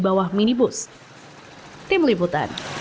berada di bawah minibus